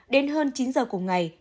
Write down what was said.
đến hơn chín giờ cùng ngày